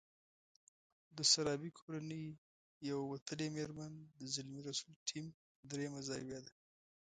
د سرابي کورنۍ يوه وتلې مېرمن د زلمي رسول ټیم درېيمه زاویه ده.